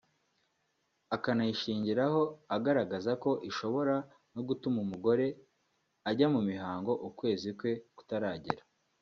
akanayishingiraho agaragaza ko ishobora no gutuma umugore ajya mu mihango ukwezi kwe kutaragera